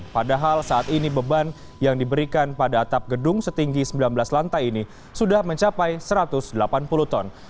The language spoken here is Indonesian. padahal saat ini beban yang diberikan pada atap gedung setinggi sembilan belas lantai ini sudah mencapai satu ratus delapan puluh ton